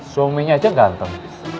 suaminya aja ganteng